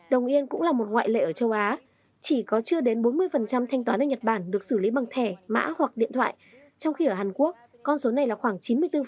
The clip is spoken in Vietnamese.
đồng yên cũng là một ngoại lệ ở châu á chỉ có chưa đến bốn mươi thanh toán ở nhật bản được xử lý bằng thẻ mã hoặc điện thoại trong khi ở hàn quốc con số này là khoảng chín mươi bốn